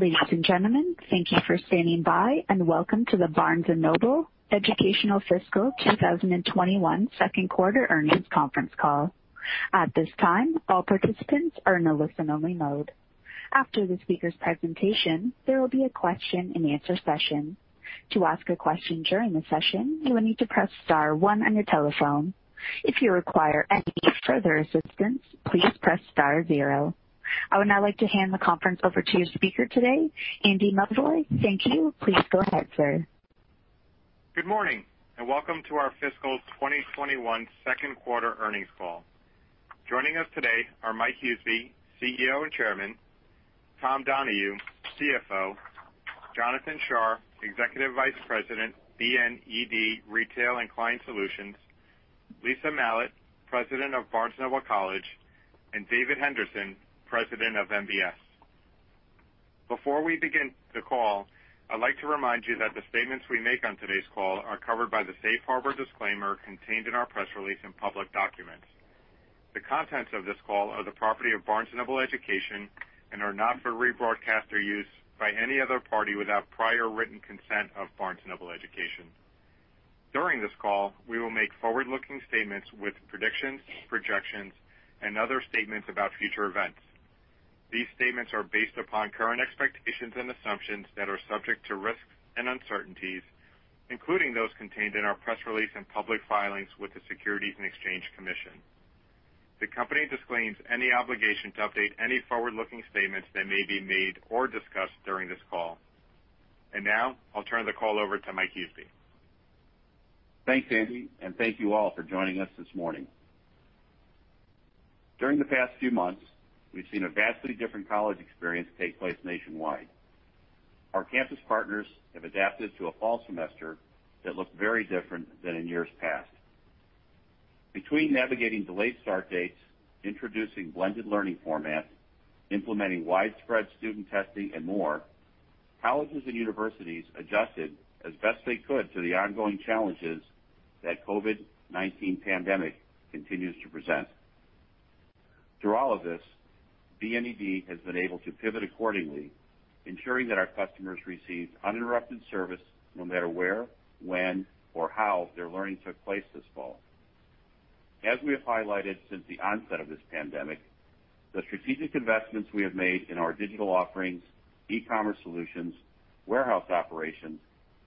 Ladies and gentlemen, thank you for standing by, and welcome to the Barnes & Noble Education fiscal 2021 second quarter earnings conference call. At this time, all participants are in a listen-only mode. After the speaker's presentation, there will be a question-and-answer session. To ask a question during the session, you will need to press star one on your telephone. If you require any further assistance, please press star zero. I would now like to hand the conference over to your speaker today, Andy Milevoj. Thank you. Please go ahead, sir. Good morning, and welcome to our fiscal 2021 second quarter earnings call. Joining us today are Mike Huseby, CEO and Chairman, Tom Donohue, CFO, Jonathan Shar, Executive Vice President, BNED Retail and Client Solutions, Lisa Malat, President of Barnes & Noble College, and David Henderson, President of MBS. Before we begin the call, I'd like to remind you that the statements we make on today's call are covered by the safe harbor disclaimer contained in our press release and public documents. The contents of this call are the property of Barnes & Noble Education and are not for rebroadcast or use by any other party without prior written consent of Barnes & Noble Education. During this call, we will make forward-looking statements with predictions, projections, and other statements about future events. These statements are based upon current expectations and assumptions that are subject to risks and uncertainties, including those contained in our press release and public filings with the Securities and Exchange Commission. The company disclaims any obligation to update any forward-looking statements that may be made or discussed during this call. Now, I'll turn the call over to Mike Huseby. Thanks, Andy. Thank you all for joining us this morning. During the past few months, we've seen a vastly different college experience take place nationwide. Our campus partners have adapted to a fall semester that looked very different than in years past. Between navigating delayed start dates, introducing blended learning formats, implementing widespread student testing, and more, colleges and universities adjusted as best they could to the ongoing challenges that COVID-19 pandemic continues to present. Through all of this, BNED has been able to pivot accordingly, ensuring that our customers received uninterrupted service no matter where, when, or how their learning took place this fall. As we have highlighted since the onset of this pandemic, the strategic investments we have made in our digital offerings, e-commerce solutions, warehouse operations,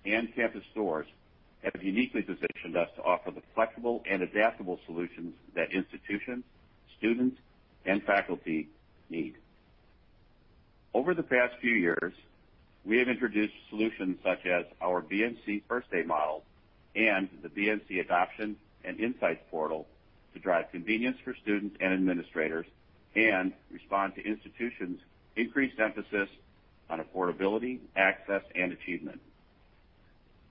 and campus stores have uniquely positioned us to offer the flexible and adaptable solutions that institutions, students, and faculty need. Over the past few years, we have introduced solutions such as our BNC First Day model and the BNC Adoption and Insights Portal to drive convenience for students and administrators and respond to institutions' increased emphasis on affordability, access, and achievement.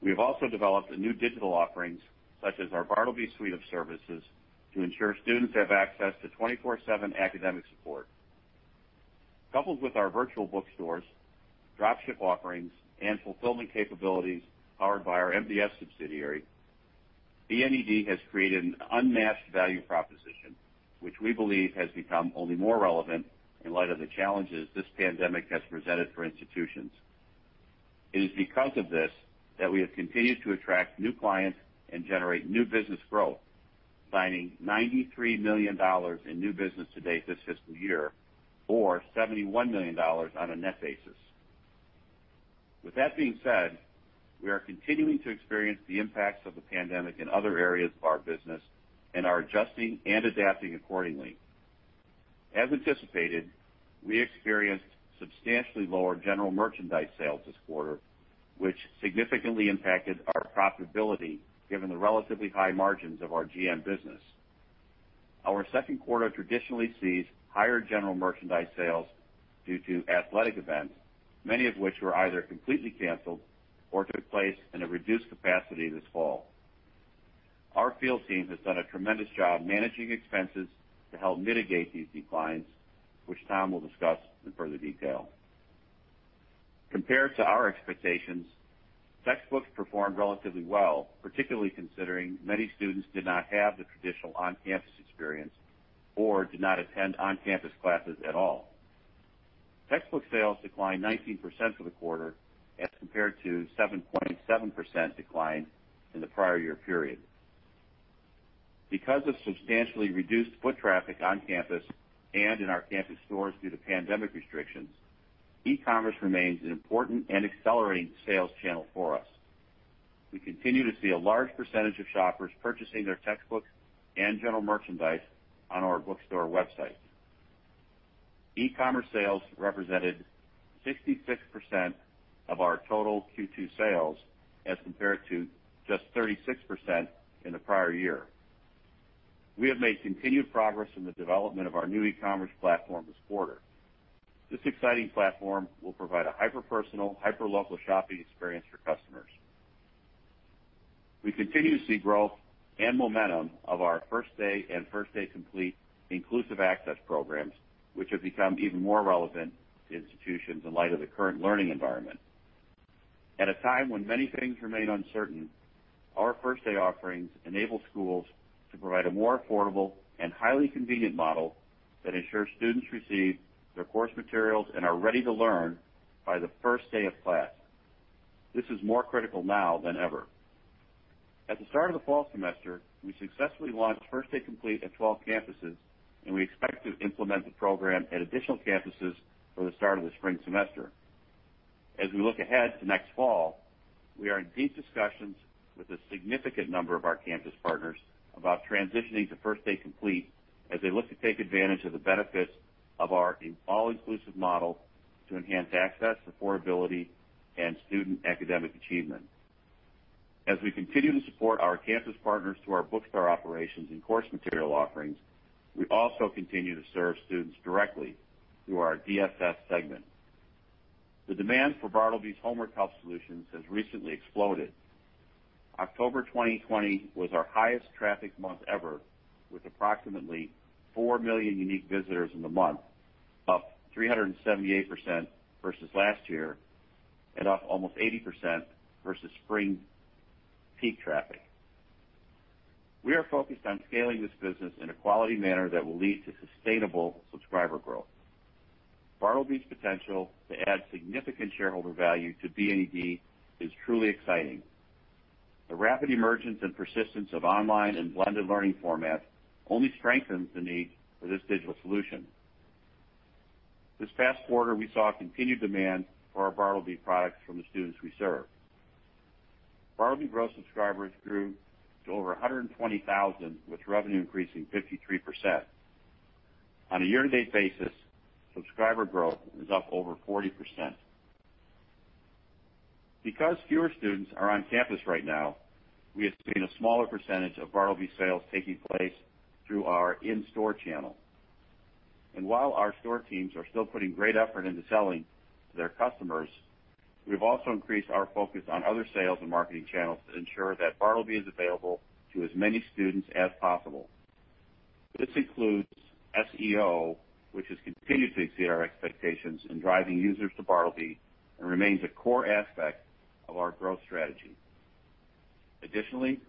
We have also developed new digital offerings, such as our Bartleby suite of services, to ensure students have access to 24/7 academic support. Coupled with our virtual bookstores, drop ship offerings, and fulfillment capabilities powered by our MBS subsidiary, BNED has created an unmatched value proposition, which we believe has become only more relevant in light of the challenges this pandemic has presented for institutions. It is because of this that we have continued to attract new clients and generate new business growth, signing $93 million in new business to date this fiscal year, or $71 million on a net basis. With that being said, we are continuing to experience the impacts of the pandemic in other areas of our business and are adjusting and adapting accordingly. As anticipated, we experienced substantially lower general merchandise sales this quarter, which significantly impacted our profitability given the relatively high margins of our GM business. Our second quarter traditionally sees higher general merchandise sales due to athletic events, many of which were either completely canceled or took place in a reduced capacity this fall. Our field team has done a tremendous job managing expenses to help mitigate these declines, which Tom will discuss in further detail. Compared to our expectations, textbooks performed relatively well, particularly considering many students did not have the traditional on-campus experience or did not attend on-campus classes at all. Textbook sales declined 19% for the quarter as compared to 7.7% decline in the prior year period. Because of substantially reduced foot traffic on campus and in our campus stores due to pandemic restrictions, e-commerce remains an important and accelerating sales channel for us. We continue to see a large percentage of shoppers purchasing their textbooks and general merchandise on our bookstore website. e-commerce sales represented 66% of our total Q2 sales as compared to just 36% in the prior year. We have made continued progress in the development of our new e-commerce platform this quarter. This exciting platform will provide a hyper-personal, hyper-local shopping experience for customers. We continue to see growth and momentum of our First Day and First Day Complete inclusive access programs, which have become even more relevant to institutions in light of the current learning environment. At a time when many things remain uncertain, our First Day offerings enable schools to provide a more affordable and highly convenient model that ensures students receive their course materials and are ready to learn by the first day of class. This is more critical now than ever. At the start of the fall semester, we successfully launched First Day Complete at 12 campuses, and we expect to implement the program at additional campuses for the start of the spring semester. As we look ahead to next fall, we are in deep discussions with a significant number of our campus partners about transitioning to First Day Complete as they look to take advantage of the benefits of our all-inclusive model to enhance access, affordability, and student academic achievement. As we continue to support our campus partners through our bookstore operations and course material offerings, we also continue to serve students directly through our DSS segment. The demand for Bartleby's homework help solutions has recently exploded. October 2020 was our highest traffic month ever, with approximately 4 million unique visitors in the month, up 378% versus last year and up almost 80% versus spring peak traffic. We are focused on scaling this business in a quality manner that will lead to sustainable subscriber growth. Bartleby's potential to add significant shareholder value to BNED is truly exciting. The rapid emergence and persistence of online and blended learning formats only strengthens the need for this digital solution. This past quarter, we saw continued demand for our Bartleby products from the students we serve. Bartleby gross subscribers grew to over 120,000, with revenue increasing 53%. On a year-to-date basis, subscriber growth is up over 40%. Because fewer students are on campus right now, we have seen a smaller percentage of Bartleby sales taking place through our in-store channel. While our store teams are still putting great effort into selling to their customers, we've also increased our focus on other sales and marketing channels to ensure that Bartleby is available to as many students as possible. This includes SEO, which has continued to exceed our expectations in driving users to Bartleby and remains a core aspect of our growth strategy. Additionally,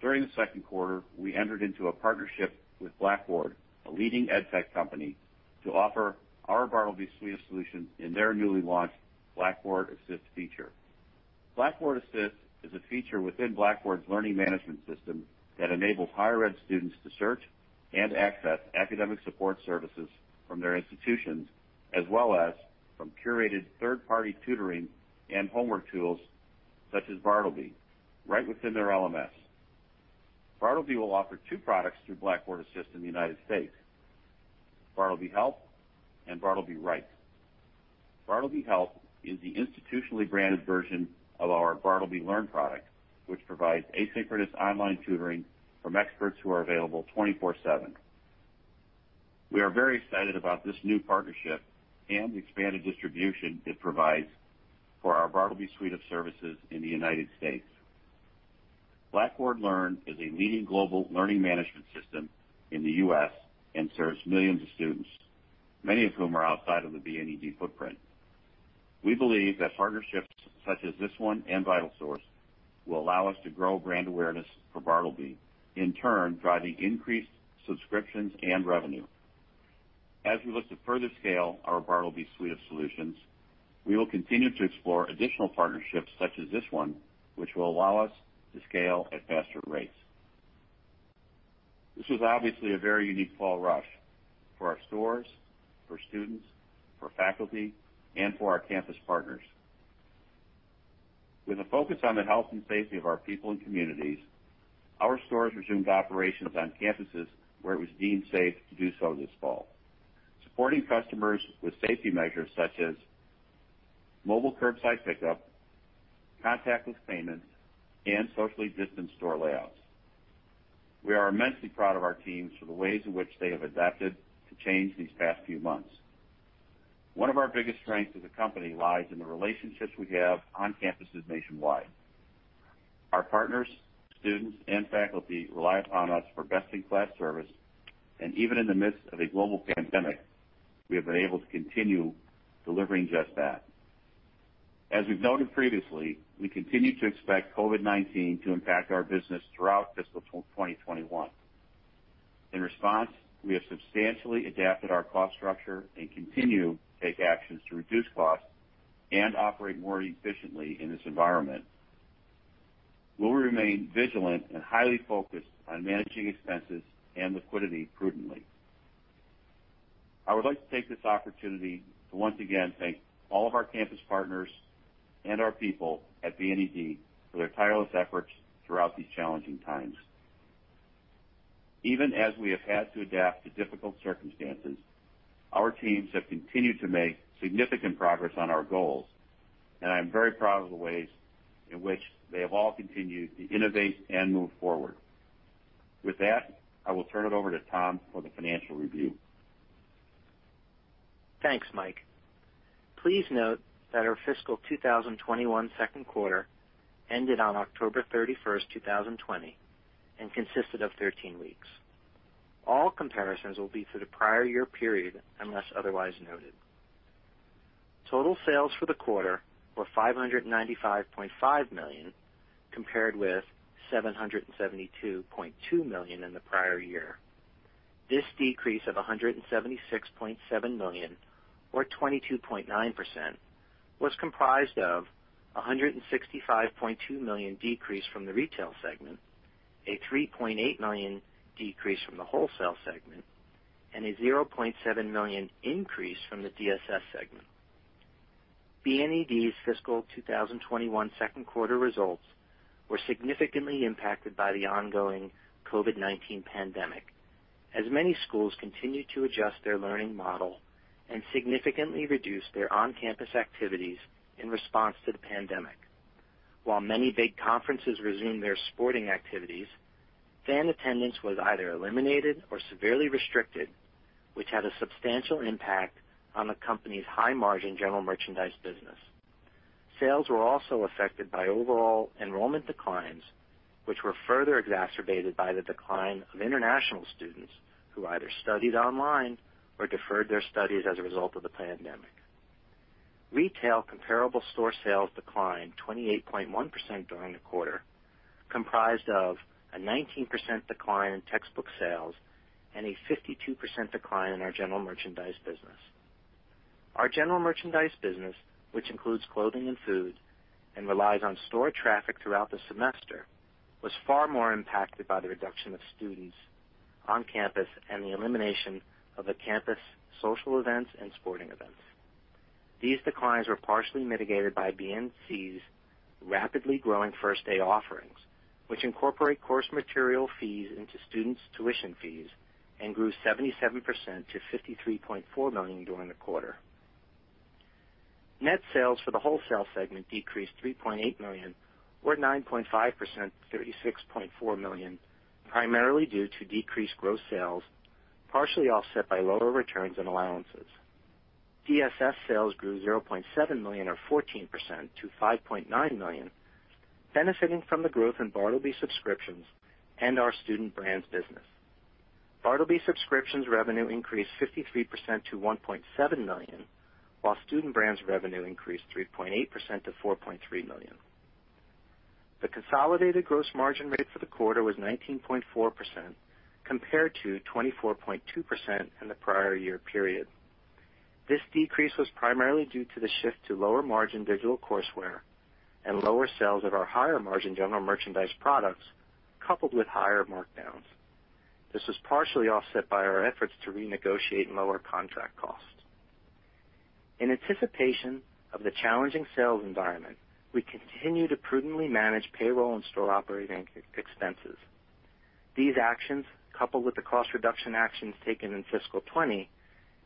during the second quarter, we entered into a partnership with Blackboard, a leading ed tech company, to offer our Bartleby suite of solutions in their newly launched Blackboard Assist feature. Blackboard Assist is a feature within Blackboard's learning management system that enables higher ed students to search and access academic support services from their institutions, as well as from curated third-party tutoring and homework tools such as Bartleby, right within their LMS. Bartleby will offer two products through Blackboard Assist in the United States: Bartleby Help and Bartleby Write. Bartleby Help is the institutionally branded version of our Bartleby learn product, which provides asynchronous online tutoring from experts who are available 24/7. We are very excited about this new partnership and the expanded distribution it provides for our Bartleby suite of services in the United States. Blackboard Learn is a leading global learning management system in the U.S. and serves millions of students, many of whom are outside of the BNED footprint. We believe that partnerships such as this one and VitalSource will allow us to grow brand awareness for Bartleby, in turn, driving increased subscriptions and revenue. We look to further scale our Bartleby suite of solutions, we will continue to explore additional partnerships such as this one, which will allow us to scale at faster rates. This was obviously a very unique fall rush for our stores, for students, for faculty, and for our campus partners. With a focus on the health and safety of our people and communities, our stores resumed operations on campuses where it was deemed safe to do so this fall, supporting customers with safety measures such as mobile curbside pickup, contactless payments, and socially distanced store layouts. We are immensely proud of our teams for the ways in which they have adapted to change these past few months. One of our biggest strengths as a company lies in the relationships we have on campuses nationwide. Our partners, students, and faculty rely upon us for best-in-class service. Even in the midst of a global pandemic, we have been able to continue delivering just that. As we've noted previously, we continue to expect COVID-19 to impact our business throughout fiscal 2021. In response, we have substantially adapted our cost structure and continue to take actions to reduce costs and operate more efficiently in this environment, while we remain vigilant and highly focused on managing expenses and liquidity prudently. I would like to take this opportunity to once again thank all of our campus partners and our people at BNED for their tireless efforts throughout these challenging times. Even as we have had to adapt to difficult circumstances, our teams have continued to make significant progress on our goals, and I'm very proud of the ways in which they have all continued to innovate and move forward. With that, I will turn it over to Tom for the financial review. Thanks, Mike. Please note that our fiscal 2021 second quarter ended on October 31st, 2020, and consisted of 13 weeks. All comparisons will be to the prior year period unless otherwise noted. Total sales for the quarter were $595.5 million, compared with $772.2 million in the prior year. This decrease of $176.7 million, or 22.9%, was comprised of $165.2 million decrease from the Retail segment, a $3.8 million decrease from the Wholesale segment, and a $0.7 million increase from the DSS segment. BNED's fiscal 2021 second quarter results were significantly impacted by the ongoing COVID-19 pandemic, as many schools continue to adjust their learning model and significantly reduce their on-campus activities in response to the pandemic. While many big conferences resumed their sporting activities, fan attendance was either eliminated or severely restricted, which had a substantial impact on the company's high-margin general merchandise business. Sales were also affected by overall enrollment declines, which were further exacerbated by the decline of international students who either studied online or deferred their studies as a result of the pandemic. Retail comparable store sales declined 28.1% during the quarter, comprised of a 19% decline in textbook sales and a 52% decline in our general merchandise business. Our general merchandise business, which includes clothing and food and relies on store traffic throughout the semester, was far more impacted by the reduction of students on campus and the elimination of the campus social events and sporting events. These declines were partially mitigated by BNC's rapidly growing First Day offerings, which incorporate course material fees into students' tuition fees and grew 77% to $53.4 million during the quarter. Net sales for the wholesale segment decreased $3.8 million or 9.5%, $36.4 million, primarily due to decreased gross sales, partially offset by lower returns and allowances. DSS sales grew $0.7 million or 14% to $5.9 million, benefiting from the growth in Bartleby subscriptions and our Student Brands business. Bartleby subscriptions revenue increased 53% to $1.7 million, while Student Brands revenue increased 3.8% to $4.3 million. The consolidated gross margin rate for the quarter was 19.4% compared to 24.2% in the prior year period. This decrease was primarily due to the shift to lower-margin digital courseware and lower sales of our higher-margin general merchandise products, coupled with higher markdowns. This was partially offset by our efforts to renegotiate and lower contract costs. In anticipation of the challenging sales environment, we continue to prudently manage payroll and store operating expenses. These actions, coupled with the cost reduction actions taken in fiscal 2020,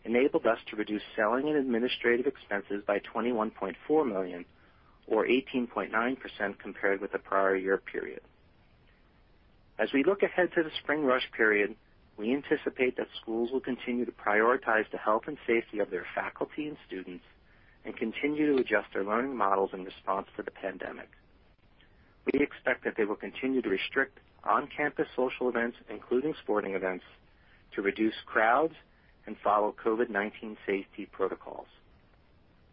enabled us to reduce selling and administrative expenses by $21.4 million or 18.9% compared with the prior year period. As we look ahead to the Spring Rush period, we anticipate that schools will continue to prioritize the health and safety of their faculty and students and continue to adjust their learning models in response to the pandemic. We expect that they will continue to restrict on-campus social events, including sporting events, to reduce crowds and follow COVID-19 safety protocols.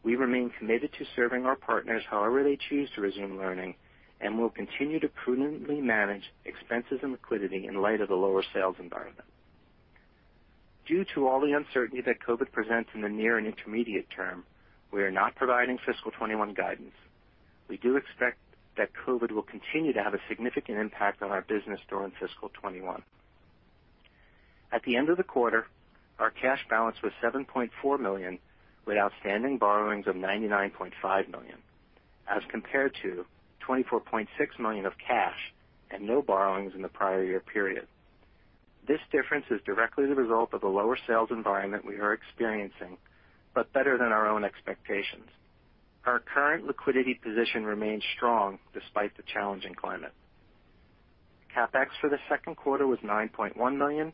We remain committed to serving our partners however they choose to resume learning and will continue to prudently manage expenses and liquidity in light of the lower sales environment. Due to all the uncertainty that COVID-19 presents in the near and intermediate term, we are not providing fiscal 2021 guidance. We do expect that COVID will continue to have a significant impact on our business during fiscal 2021. At the end of the quarter, our cash balance was $7.4 million, with outstanding borrowings of $99.5 million, as compared to $24.6 million of cash and no borrowings in the prior year period. This difference is directly the result of the lower sales environment we are experiencing, but better than our own expectations. Our current liquidity position remains strong despite the challenging climate. CapEx for the second quarter was $9.1 million,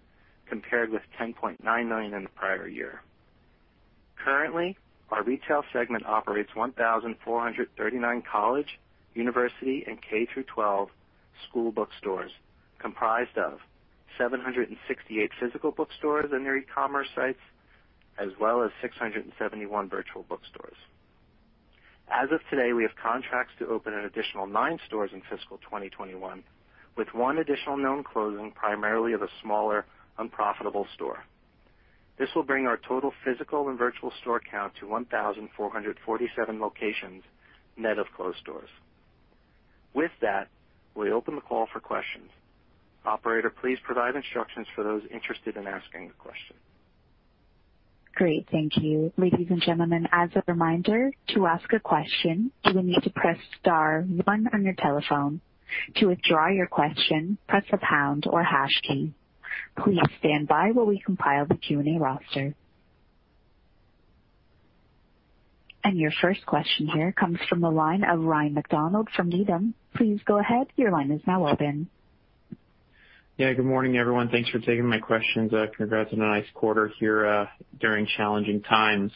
compared with $10.9 million in the prior year. Currently, our retail segment operates 1,439 college, university, and K through 12 school bookstores, comprised of 768 physical bookstores and their e-commerce sites, as well as 671 virtual bookstores. As of today, we have contracts to open an additional nine stores in fiscal 2021, with one additional known closing primarily of a smaller, unprofitable store. This will bring our total physical and virtual store count to 1,447 locations, net of closed stores. With that, we open the call for questions. Operator, please provide instructions for those interested in asking a question. Great. Thank you. Ladies and gentlemen, as a reminder, to ask a question, you will need to press star one on your telephone. To withdraw your question, press the pound or hash key. Please stand by while we compile the Q&A roster. Your first question here comes from the line of Ryan MacDonald from Needham. Please go ahead. Your line is now open. Yeah. Good morning, everyone. Thanks for taking my questions. Congrats on a nice quarter here during challenging times.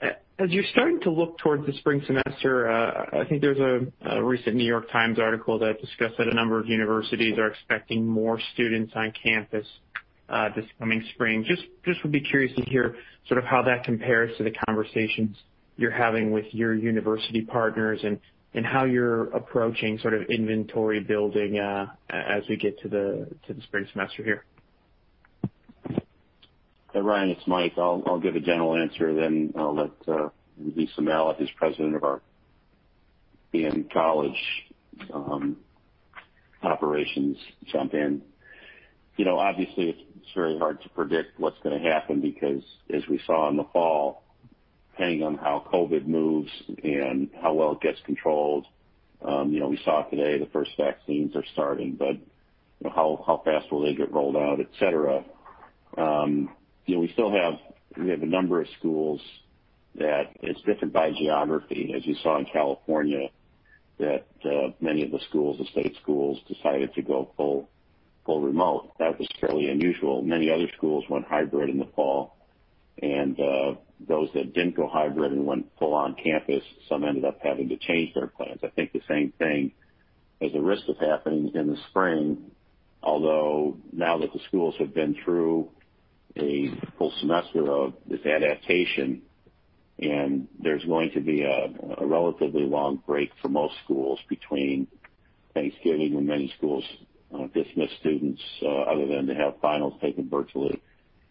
As you're starting to look towards the spring semester, I think there's a recent The New York Times article that discussed that a number of universities are expecting more students on campus. this coming spring. Just would be curious to hear how that compares to the conversations you're having with your university partners and how you're approaching inventory building as we get to the spring semester here. Ryan, it's Mike. I'll give a general answer, then I'll let Lisa Malat, who's president of our Barnes & Noble College operations, jump in. Obviously, it's very hard to predict what's going to happen because, as we saw in the fall, depending on how COVID-19 moves and how well it gets controlled. We saw today the first vaccines are starting. How fast will they get rolled out, et cetera? We have a number of schools that it's different by geography. As you saw in California, that many of the schools, the state schools, decided to go full remote. That was fairly unusual. Many other schools went hybrid in the fall, and those that didn't go hybrid and went full on-campus, some ended up having to change their plans. I think the same thing is a risk of happening in the spring, although now that the schools have been through a full semester of this adaptation, and there's going to be a relatively long break for most schools between Thanksgiving, when many schools dismiss students, other than to have finals taken virtually,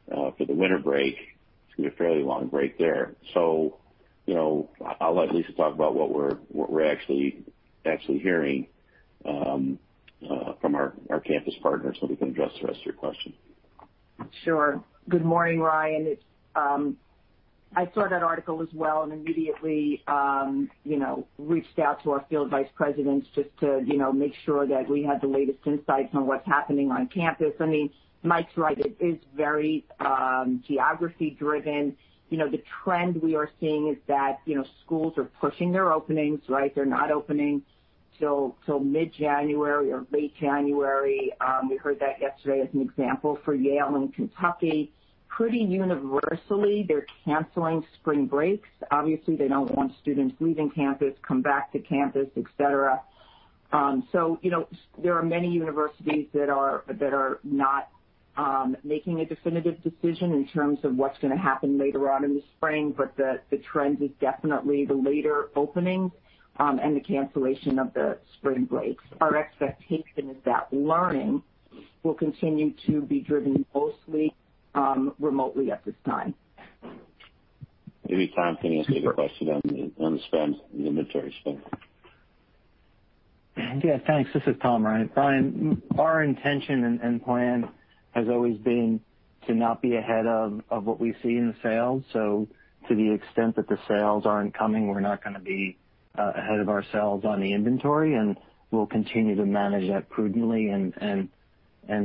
for the winter break. It's going to be a fairly long break there. I'll let Lisa talk about what we're actually hearing from our campus partners so we can address the rest of your question. Sure. Good morning, Ryan. I saw that article as well and immediately reached out to our field Vice Presidents just to make sure that we had the latest insights on what's happening on campus. Mike's right. It is very geography-driven. The trend we are seeing is that schools are pushing their openings, they're not opening till mid-January or late January. We heard that yesterday as an example for Yale and Kentucky. Pretty universally, they're canceling spring breaks. Obviously, they don't want students leaving campus, come back to campus, et cetera. There are many universities that are not making a definitive decision in terms of what's going to happen later on in the spring, but the trend is definitely the later openings and the cancellation of the spring breaks. Our expectation is that learning will continue to be driven mostly remotely at this time. Maybe Tom can answer your question on the inventory spend. Yeah, thanks. This is Tom, Ryan. Ryan, our intention and plan has always been to not be ahead of what we see in the sales. To the extent that the sales aren't coming, we're not going to be ahead of ourselves on the inventory, and we'll continue to manage that prudently and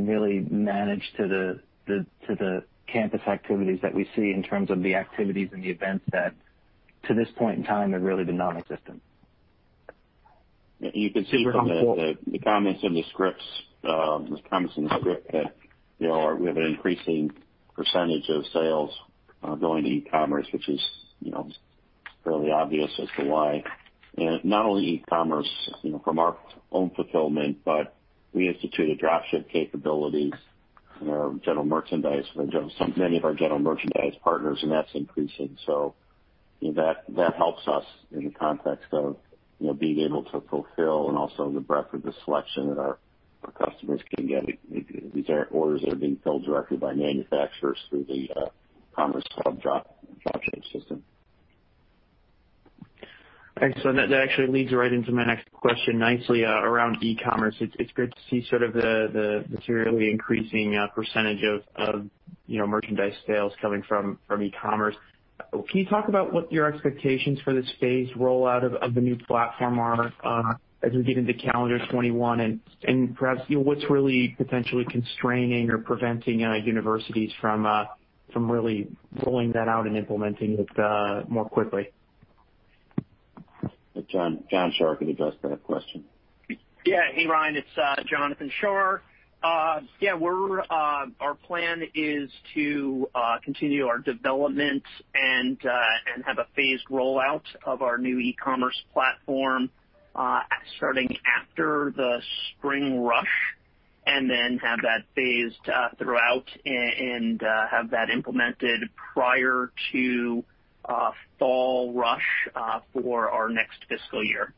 really manage to the campus activities that we see in terms of the activities and the events that, to this point in time, have really been nonexistent. You can see from the comments in the scripts that we have an increasing percentage of sales going to e-commerce, which is fairly obvious as to why. Not only e-commerce from our own fulfillment, but we instituted drop ship capabilities in many of our general merchandise partners, and that's increasing. That helps us in the context of being able to fulfill and also the breadth of the selection that our customers can get. These are orders that are being filled directly by manufacturers through the CommerceHub drop ship system. Excellent. That actually leads right into my next question nicely around e-commerce. It's good to see the materially increasing percentage of merchandise sales coming from e-commerce. Can you talk about what your expectations for this phased rollout of the new platform are as we get into calendar 2021, and perhaps what's really potentially constraining or preventing universities from really rolling that out and implementing it more quickly? Jon could address that question. Yeah. Hey, Ryan. It's Jonathan Shar. Our plan is to continue our development and have a phased rollout of our new e-commerce platform starting after the spring rush, and then have that phased throughout and have that implemented prior to fall rush for our next fiscal year.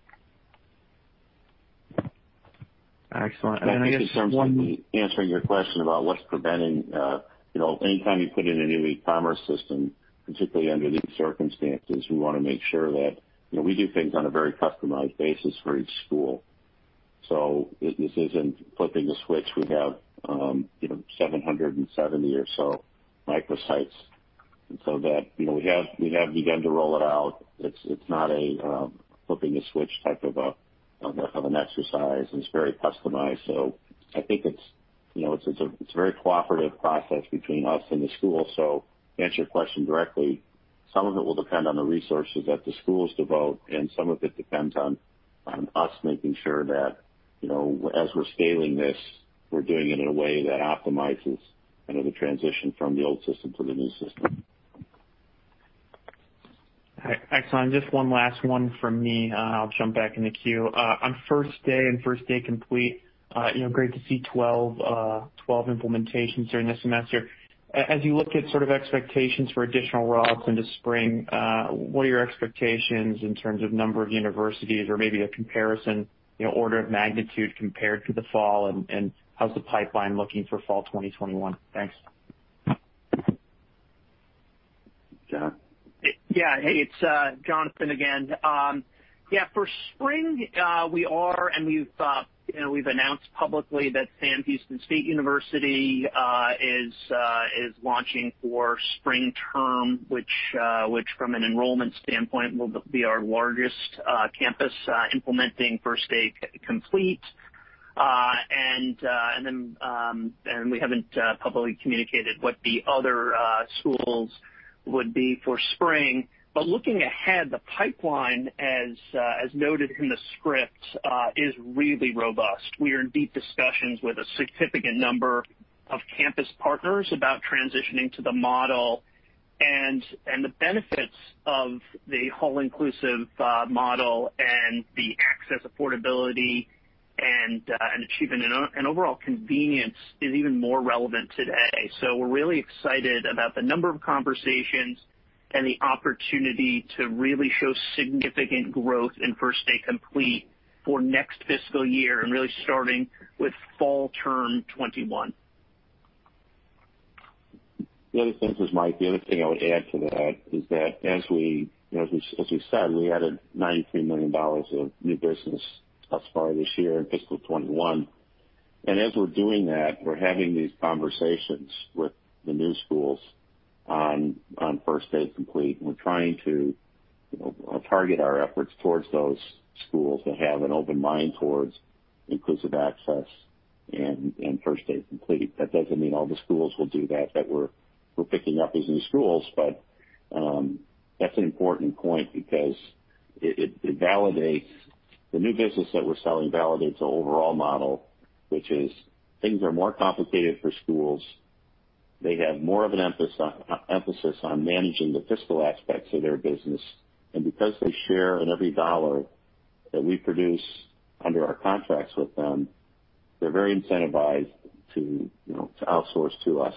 Excellent. I guess. Just in terms of answering your question about what's preventing, anytime you put in a new e-commerce system, particularly under these circumstances, we want to make sure that we do things on a very customized basis for each school. This isn't flipping a switch. We have 770 or so microsites. We have begun to roll it out. It's not a flipping a switch type of an exercise, and it's very customized. I think it's a very cooperative process between us and the school. To answer your question directly, some of it will depend on the resources that the schools devote, and some of it depends on us making sure that as we're scaling this, we're doing it in a way that optimizes the transition from the old system to the new system. Excellent. Just one last one from me. I'll jump back in the queue. On First Day and First Day Complete, great to see 12 implementations during this semester. As you look at sort of expectations for additional rollouts into spring, what are your expectations in terms of number of universities or maybe a comparison, order of magnitude compared to the fall, and how's the pipeline looking for fall 2021? Thanks. Jon? Hey, it's Jonathan again. Yeah. For spring, we are. We've announced publicly that Sam Houston State University is launching for spring term, which from an enrollment standpoint, will be our largest campus implementing First Day Complete. We haven't publicly communicated what the other schools would be for spring. Looking ahead, the pipeline, as noted in the script, is really robust. We are in deep discussions with a significant number of campus partners about transitioning to the model and the benefits of the whole inclusive model and the access, affordability, and achievement, and overall convenience is even more relevant today. We're really excited about the number of conversations and the opportunity to really show significant growth in First Day Complete for next fiscal year and really starting with fall term 2021. The other thing, this is Mike. The other thing I would add to that is that as we said, we added $93 million of new business thus far this year in fiscal 2021. As we're doing that, we're having these conversations with the new schools on First Day Complete, and we're trying to target our efforts towards those schools that have an open mind towards inclusive access and First Day Complete. That doesn't mean all the schools will do that we're picking up as new schools. That's an important point because the new business that we're selling validates the overall model, which is things are more complicated for schools. They have more of an emphasis on managing the fiscal aspects of their business. Because they share in every dollar that we produce under our contracts with them, they're very incentivized to outsource to us.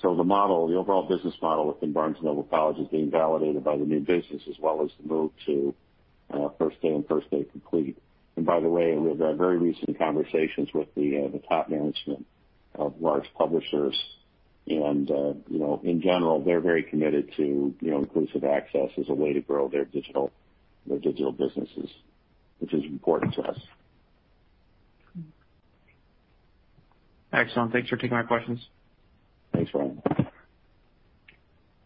The overall business model within Barnes & Noble College is being validated by the new business as well as the move to First Day and First Day Complete. By the way, we've had very recent conversations with the top management of large publishers and, in general, they're very committed to inclusive access as a way to grow their digital businesses, which is important to us. Excellent. Thanks for taking my questions. Thanks, Ryan.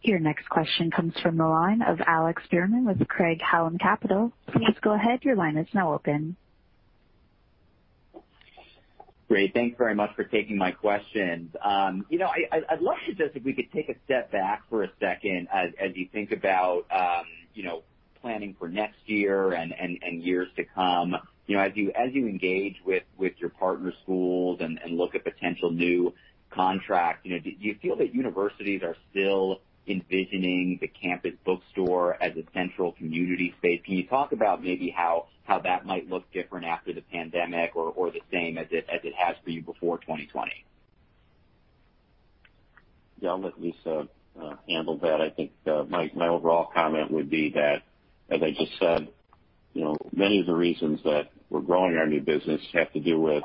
Your next question comes from the line of Alex Fuhrman with Craig-Hallum Capital. Please go ahead. Your line is now open. Great. Thanks very much for taking my questions. I'd love to just, if we could take a step back for a second as you think about planning for next year and years to come. As you engage with your partner schools and look at potential new contracts, do you feel that universities are still envisioning the campus bookstore as a central community space? Can you talk about maybe how that might look different after the pandemic or the same as it has for you before 2020? Yeah, I'll let Lisa handle that. I think my overall comment would be that, as I just said, many of the reasons that we're growing our new business have to do with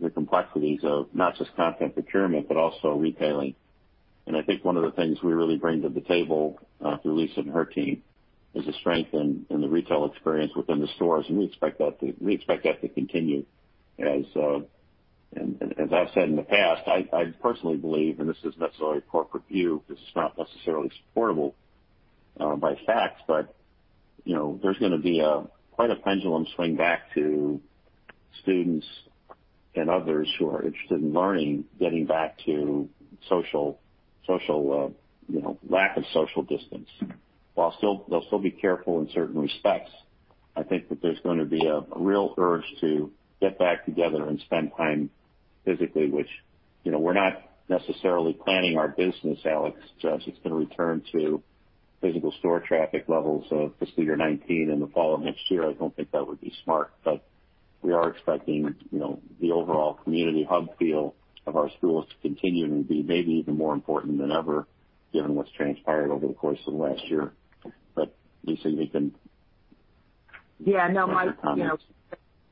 the complexities of not just content procurement, but also retailing. I think one of the things we really bring to the table through Lisa and her team is a strength in the retail experience within the stores, and we expect that to continue. As I've said in the past, I personally believe, and this is necessarily a corporate view, this is not necessarily supportable by facts, but there's going to be quite a pendulum swing back to students and others who are interested in learning, getting back to lack of social distance. While they'll still be careful in certain respects, I think that there's going to be a real urge to get back together and spend time physically, which we're not necessarily planning our business, Alex, just it's going to return to physical store traffic levels of fiscal year 2019 in the fall of next year. I don't think that would be smart, we are expecting the overall community hub feel of our schools to continue and be maybe even more important than ever, given what's transpired over the course of the last year. Lisa, you can. Yeah, no, Mike. Add your comments.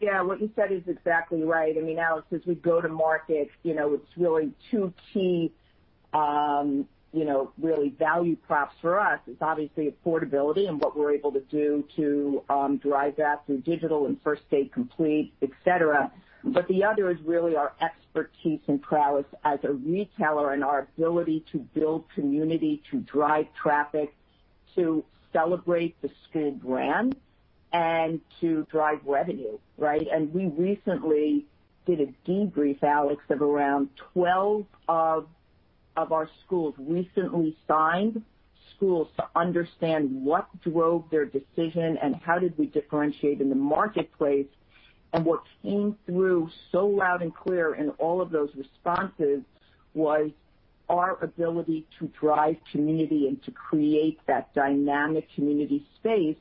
What you said is exactly right. I mean, Alex, as we go to market, it's really two key really value props for us. It's obviously affordability and what we're able to do to drive that through digital and First Day Complete, et cetera. The other is really our expertise and prowess as a retailer and our ability to build community, to drive traffic, to celebrate the school brand, and to drive revenue, right? We recently did a debrief, Alex, of around 12 of our schools, recently signed schools, to understand what drove their decision and how did we differentiate in the marketplace. What came through so loud and clear in all of those responses was our ability to drive community and to create that dynamic community space,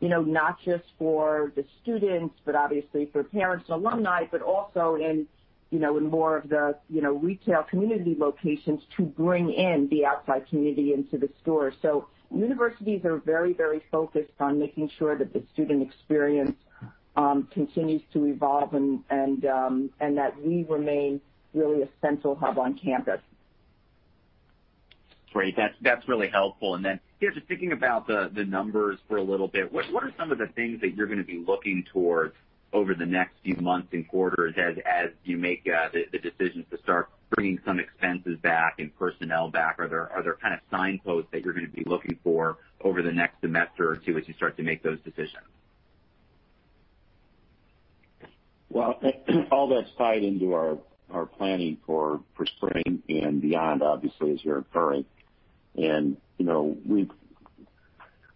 not just for the students, but obviously for parents and alumni, but also in more of the retail community locations to bring in the outside community into the stores. Universities are very focused on making sure that the student experience continues to evolve and that we remain really a central hub on campus. Great. That's really helpful. Just thinking about the numbers for a little bit, what are some of the things that you're going to be looking towards over the next few months and quarters as you make the decisions to start bringing some expenses back and personnel back? Are there signposts that you're going to be looking for over the next semester or two as you start to make those decisions? All that's tied into our planning for spring and beyond, obviously, as you're referring.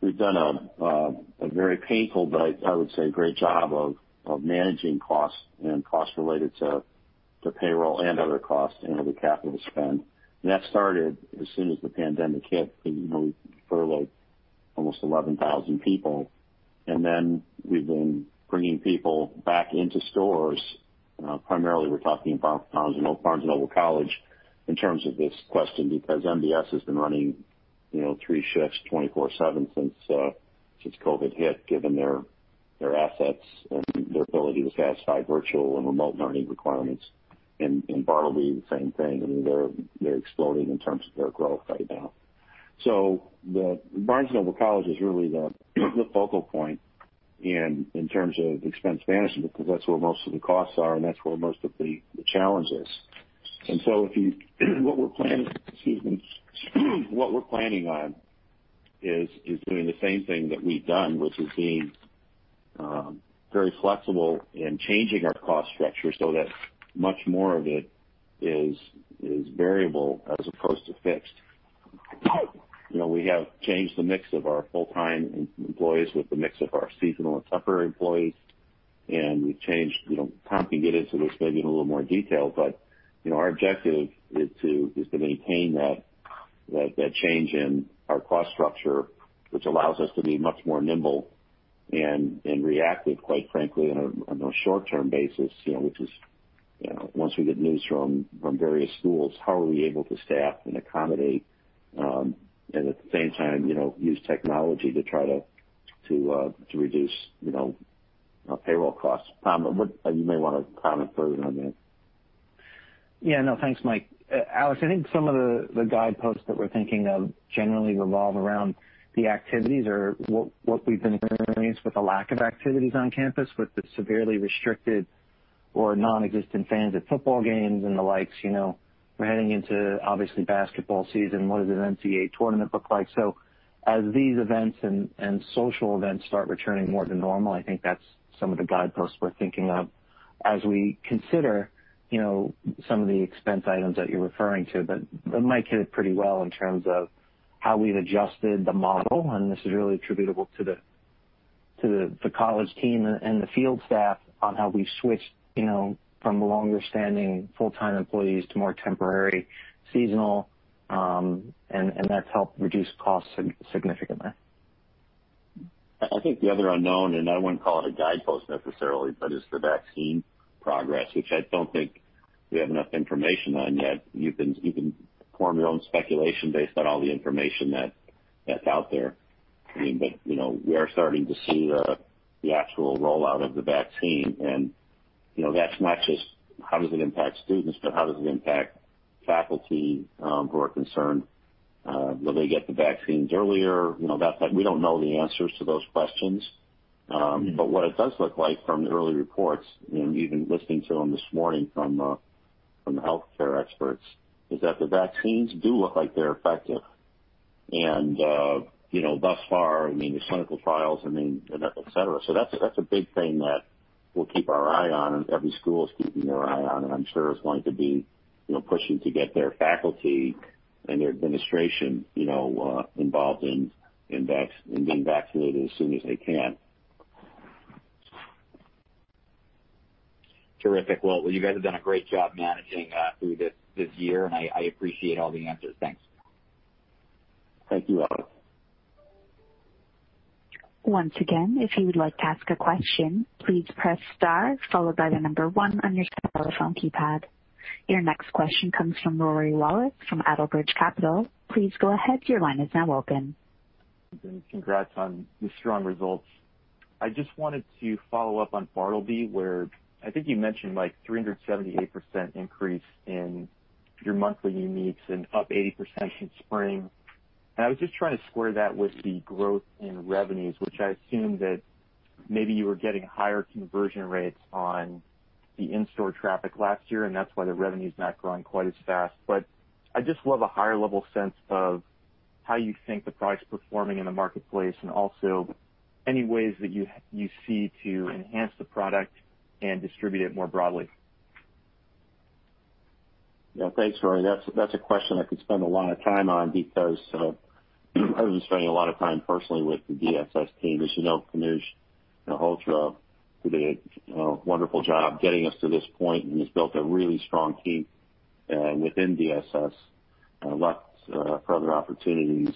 We've done a very painful but I would say great job of managing costs and costs related to payroll and other costs and other capital spend. That started as soon as the pandemic hit. We furloughed almost 11,000 people, we've been bringing people back into stores. Primarily, we're talking about Barnes & Noble College in terms of this question, because MBS has been running three shifts, 24/7 since COVID hit, given their assets and their ability to satisfy virtual and remote learning requirements, and Bartleby, the same thing. They're exploding in terms of their growth right now. Barnes & Noble College is really the focal point in terms of expense management, because that's where most of the costs are and that's where most of the challenge is. What we're planning on is doing the same thing that we've done, which is being very flexible in changing our cost structure so that much more of it is variable as opposed to fixed. We have changed the mix of our full-time employees with the mix of our seasonal and temporary employees, and we've changed Tom can get into this maybe in a little more detail, but our objective is to maintain that change in our cost structure, which allows us to be much more nimble and reactive, quite frankly, on a short-term basis, which is once we get news from various schools, how are we able to staff and accommodate, and at the same time, use technology to try to reduce payroll costs. Tom, you may want to comment further on that. Yeah. No, thanks, Mike. Alex, I think some of the guideposts that we're thinking of generally revolve around the activities or what we've been experiencing with the lack of activities on campus, with the severely restricted or non-existent fans at football games and the likes. We're heading into, obviously, basketball season. What does an NCAA tournament look like? As these events and social events start returning more to normal, I think that's some of the guideposts we're thinking of as we consider some of the expense items that you're referring to. Mike hit it pretty well in terms of how we've adjusted the model, and this is really attributable to the college team and the field staff on how we've switched from longer-standing full-time employees to more temporary seasonal, and that's helped reduce costs significantly. I think the other unknown, and I wouldn't call it a guidepost necessarily, but is the vaccine progress, which I don't think we have enough information on yet. You can form your own speculation based on all the information that's out there. We are starting to see the actual rollout of the vaccine, and that's not just how does it impact students, but how does it impact faculty who are concerned. Will they get the vaccines earlier? We don't know the answers to those questions. What it does look like from the early reports, and even listening to them this morning from the healthcare experts, is that the vaccines do look like they're effective, thus far, the clinical trials, and et cetera. That's a big thing that we'll keep our eye on and every school is keeping their eye on, and I'm sure is going to be pushing to get their faculty and their administration involved in being vaccinated as soon as they can. Terrific. Well, you guys have done a great job managing through this year, and I appreciate all the answers. Thanks. Thank you, Alex. Once again, if you would like to ask a question, please press star followed by the number one on your telephone keypad. Your next question comes from Rory Wallace from Outerbridge Capital. Please go ahead. Your line is now open. Thanks. Congrats on the strong results. I just wanted to follow up on Bartleby, where I think you mentioned, Mike, 378% increase in your monthly uniques and up 80% since spring. I was just trying to square that with the growth in revenues, which I assume that maybe you were getting higher conversion rates on the in-store traffic last year, and that's why the revenue's not growing quite as fast. I'd just love a higher level sense of how you think the product's performing in the marketplace, and also any ways that you see to enhance the product and distribute it more broadly. Yeah. Thanks, Rory. That's a question I could spend a lot of time on because I've been spending a lot of time personally with the DSS team. As you know, David Nenke did a wonderful job getting us to this point and has built a really strong team within DSS left for other opportunities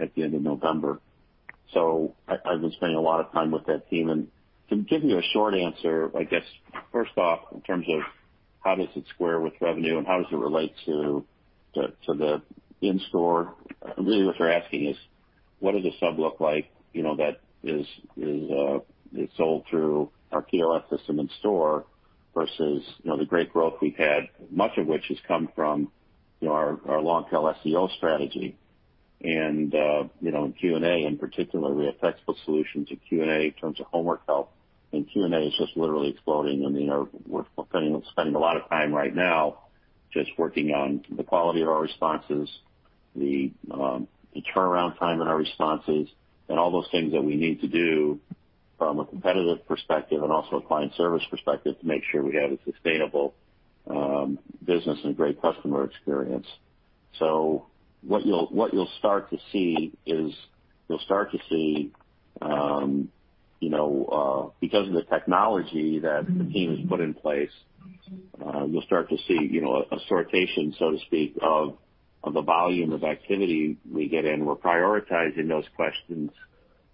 at the end of November. I've been spending a lot of time with that team. To give you a short answer, I guess first off, in terms of how does it square with revenue and how does it relate to the in-store, really what you're asking is what does the sub look like that is sold through our POS system in-store versus the great growth we've had, much of which has come from our long-tail SEO strategy. In Q&A in particular, we have textbook solutions at Q&A in terms of homework help, and Q&A is just literally exploding. We're spending a lot of time right now just working on the quality of our responses, the turnaround time on our responses, and all those things that we need to do from a competitive perspective and also a client service perspective to make sure we have a sustainable business and a great customer experience. What you'll start to see is, because of the technology that the team has put in place, you'll start to see assortation, so to speak, of the volume of activity we get in. We're prioritizing those questions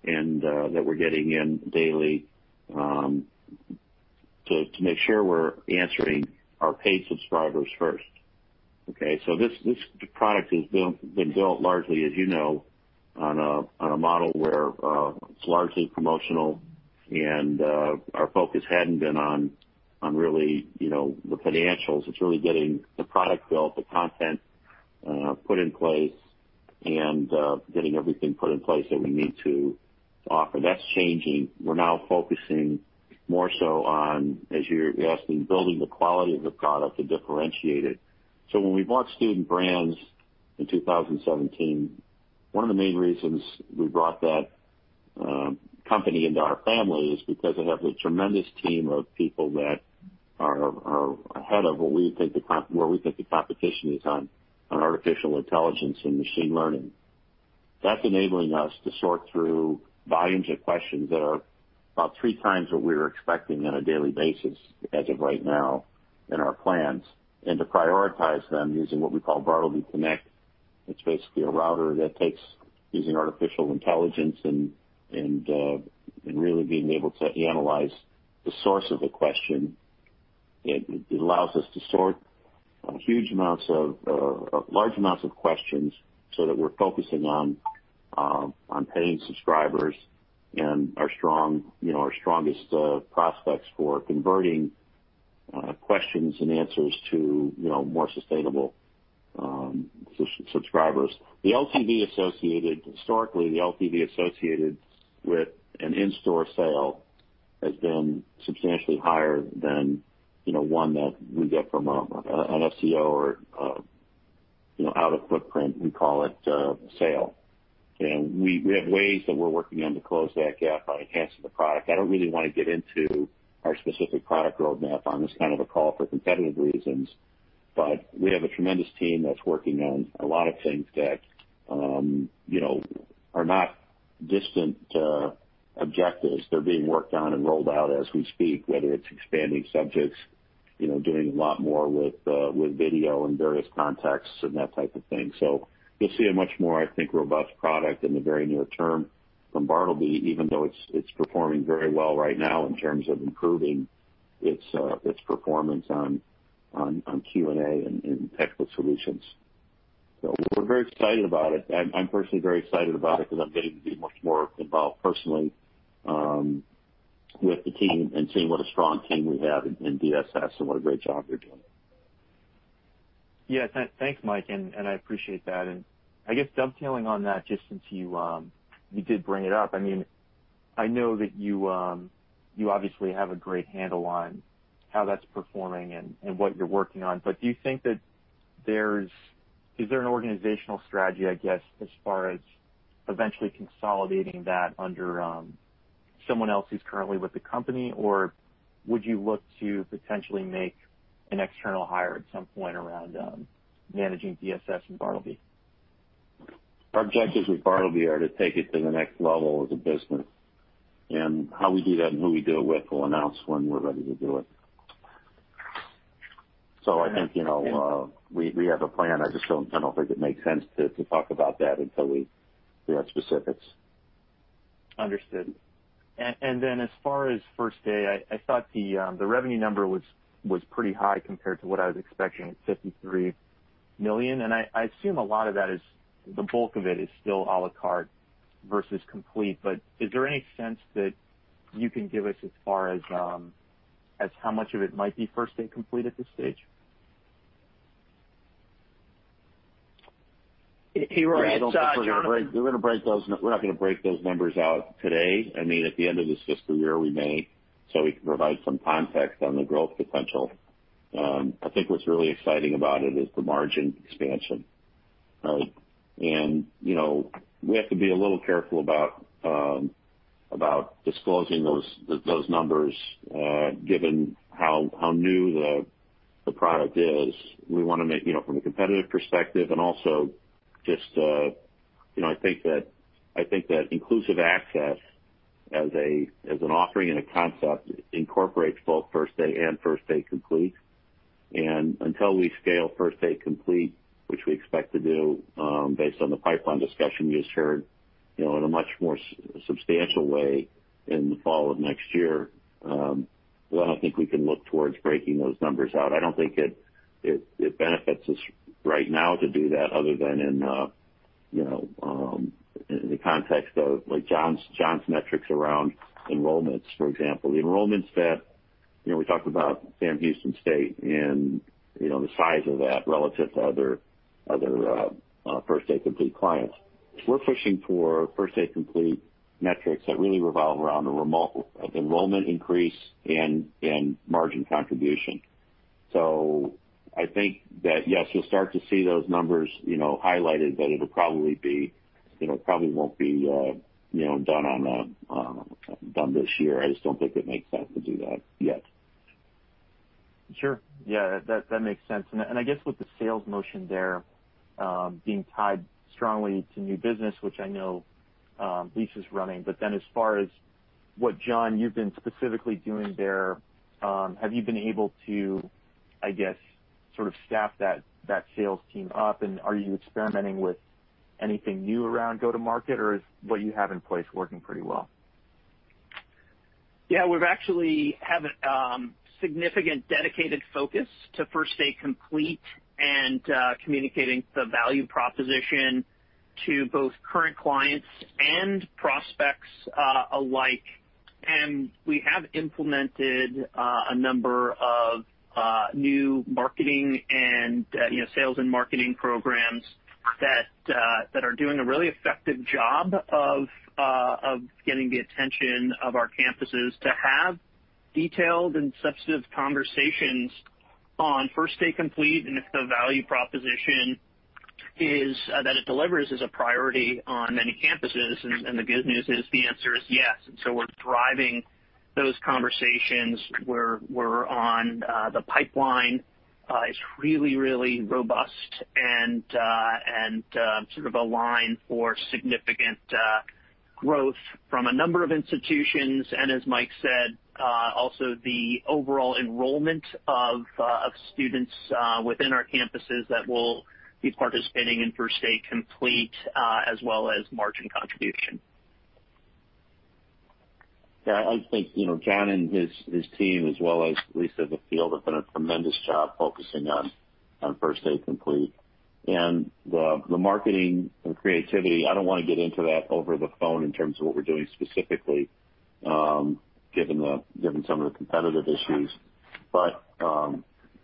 that we're getting in daily to make sure we're answering our paid subscribers first. Okay? This product has been built largely, as you know, on a model where it's largely promotional, and our focus hadn't been on really the financials. It's really getting the product built, the content put in place, and getting everything put in place that we need to offer. That's changing. We're now focusing more so on, as you're asking, building the quality of the product to differentiate it. When we bought Student Brands in 2017, one of the main reasons we brought that company into our family is because they have a tremendous team of people that are ahead of where we think the competition is on artificial intelligence and machine learning. That's enabling us to sort through volumes of questions that are about three times what we were expecting on a daily basis as of right now in our plans, and to prioritize them using what we call Bartleby Connect. It's basically a router that takes using artificial intelligence and really being able to analyze the source of the question. It allows us to sort huge amounts of large amounts of questions so that we're focusing on paying subscribers and our strongest prospects for converting questions and answers to more sustainable subscribers. Historically, the LTV associated with an in-store sale has been substantially higher than one that we get from an FCO or out-of-footprint, we call it, sale. We have ways that we're working on to close that gap by enhancing the product. I don't really want to get into our specific product roadmap on this kind of a call for competitive reasons. We have a tremendous team that's working on a lot of things that are not distant objectives. They're being worked on and rolled out as we speak, whether it's expanding subjects, doing a lot more with video in various contexts and that type of thing. You'll see a much more, I think, robust product in the very near term from Bartleby, even though it's performing very well right now in terms of improving its performance on Q&A and textbook solutions. We're very excited about it. I'm personally very excited about it because I'm getting to be much more involved personally with the team and seeing what a strong team we have in DSS and what a great job they're doing. Yeah. Thanks, Mike, and I appreciate that. I guess dovetailing on that, just since you did bring it up, I know that you obviously have a great handle on how that's performing and what you're working on, but do you think that is there an organizational strategy, I guess, as far as eventually consolidating that under someone else who's currently with the company? Or would you look to potentially make an external hire at some point around managing DSS and Bartleby? Our objectives with Bartleby are to take it to the next level as a business. How we do that and who we do it with, we'll announce when we're ready to do it. I think we have a plan. I just don't think it makes sense to talk about that until we have specifics. Understood. As far as First Day, I thought the revenue number was pretty high compared to what I was expecting at $53 million. I assume the bulk of it is still à la carte versus complete. Is there any sense that you can give us as far as how much of it might be First Day Complete at this stage? Hey, Rory, it's Jonathan. We're not going to break those numbers out today. At the end of this fiscal year, we may, so we can provide some context on the growth potential. I think what's really exciting about it is the margin expansion. We have to be a little careful about disclosing those numbers, given how new the product is. We want to make, from a competitive perspective and also just, I think that inclusive access as an offering and a concept incorporates both First Day and First Day Complete. Until we scale First Day Complete, which we expect to do based on the pipeline discussion you just heard, in a much more substantial way in the fall of next year, I don't think we can look towards breaking those numbers out. I don't think it benefits us right now to do that other than in the context of Jon's metrics around enrollments, for example. The enrollments that we talked about Sam Houston State University and the size of that relative to other First Day Complete clients. We're pushing for First Day Complete metrics that really revolve around a remote enrollment increase and margin contribution. I think that, yes, you'll start to see those numbers highlighted, but it'll probably won't be done this year. I just don't think it makes sense to do that yet. Sure. Yeah, that makes sense. I guess with the sales motion there being tied strongly to new business, which I know Lisa's running, but then as far as what Jon you've been specifically doing there, have you been able to, I guess, sort of staff that sales team up and are you experimenting with anything new around go-to-market or is what you have in place working pretty well? Yeah, we've actually have a significant dedicated focus to First Day Complete and communicating the value proposition to both current clients and prospects alike. We have implemented a number of new sales and marketing programs that are doing a really effective job of getting the attention of our campuses to have detailed and substantive conversations on First Day Complete if the value proposition that it delivers is a priority on many campuses, The good news is the answer is yes. We're driving those conversations. We're on the pipeline. It's really robust and sort of aligned for significant growth from a number of institutions. As Mike said, also the overall enrollment of students within our campuses that will be participating in First Day Complete, as well as margin contribution. Yeah, I think Jon and his team, as well as Lisa Zafeld have done a tremendous job focusing on First Day Complete. The marketing and creativity, I don't want to get into that over the phone in terms of what we're doing specifically, given some of the competitive issues.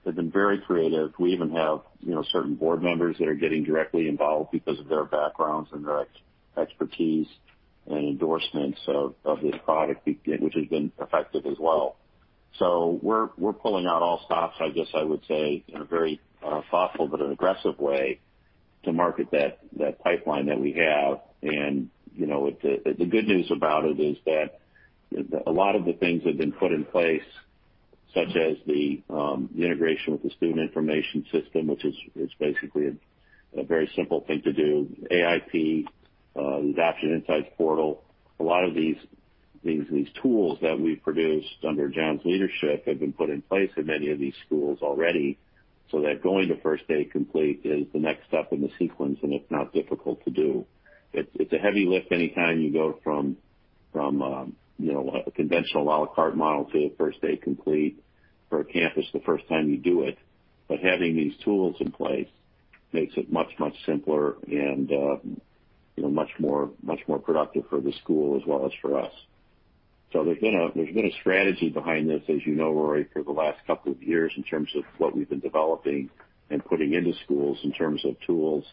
They've been very creative. We even have certain board members that are getting directly involved because of their backgrounds and their expertise and endorsements of this product, which has been effective as well. We're pulling out all stops, I guess I would say, in a very thoughtful but an aggressive way to market that pipeline that we have. The good news about it is that a lot of the things have been put in place, such as the integration with the student information system, which is basically a very simple thing to do. AIP, the Adoption & Insights Portal. A lot of these tools that we've produced under Jon's leadership have been put in place at many of these schools already, so that going to First Day Complete is the next step in the sequence, and it's not difficult to do. Having these tools in place makes it much, much simpler and much more productive for the school as well as for us. There's been a strategy behind this, as you know, Rory, for the last couple of years in terms of what we've been developing and putting into schools in terms of tools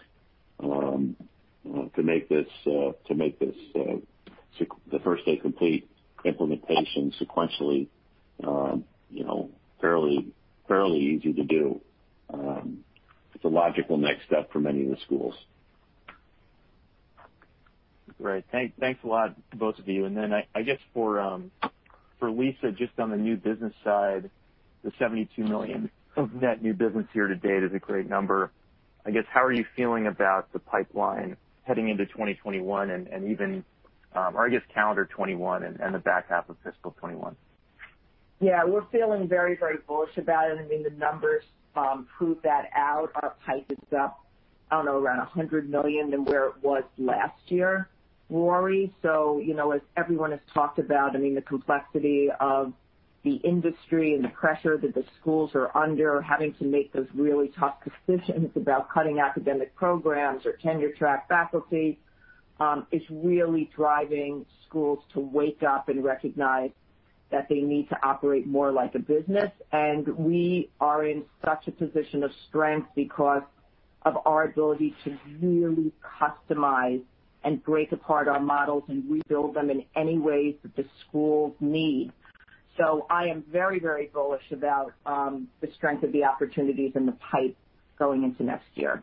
to make the First Day Complete implementation sequentially fairly easy to do. It's a logical next step for many of the schools. Great. Thanks a lot, both of you. I guess for Lisa, just on the new business side, the $72 million of net new business year to date is a great number. I guess how are you feeling about the pipeline heading into 2021 and even, or I guess calendar 2021 and the back half of fiscal 2021? Yeah, we're feeling very, very bullish about it. I mean, the numbers prove that out. Our pipe is up, I don't know, around $100 million than where it was last year, Rory. As everyone has talked about, I mean, the complexity of the industry and the pressure that the schools are under, having to make those really tough decisions about cutting academic programs or tenure track faculty, is really driving schools to wake up and recognize that they need to operate more like a business. We are in such a position of strength because of our ability to really customize and break apart our models and rebuild them in any ways that the schools need. I am very, very bullish about the strength of the opportunities and the pipe going into next year.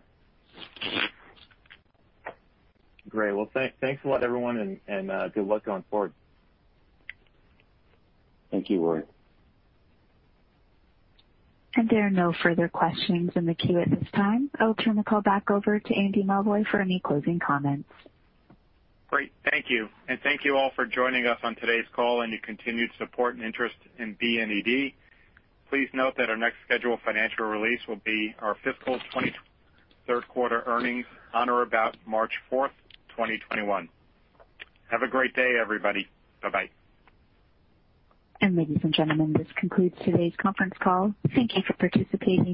Great. Well, thanks a lot, everyone, and good luck going forward. Thank you, Rory. There are no further questions in the queue at this time. I'll turn the call back over to Andy Milevoj for any closing comments. Great. Thank you. Thank you all for joining us on today's call and your continued support and interest in BNED. Please note that our next scheduled financial release will be our fiscal 23rd quarter earnings on or about March 4th, 2021. Have a great day, everybody. Bye-bye. Ladies and gentlemen, this concludes today's conference call. Thank you for participating.